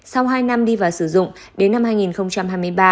sau hai năm đi và sử dụng đến năm hai nghìn hai mươi ba